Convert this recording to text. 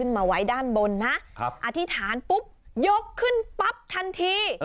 มาไว้ด้านบนนะอธิษฐานปุ๊บยกขึ้นปั๊บทันที